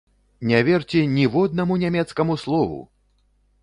Не верце ніводнаму нямецкаму слову!